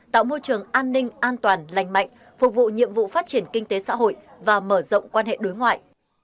tạo môi trường an ninh an toàn lành mạnh phục vụ nhiệm vụ phát triển kinh tế xã hội và mở rộng quan hệ đối ngoại